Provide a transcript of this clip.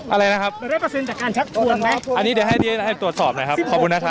อะไรนะครับได้เปอร์เซ็นต์จากการชักทวงไหมอันนี้เดี๋ยวให้เดี๋ยวให้ตรวจสอบหน่อยครับขอบคุณนะครับ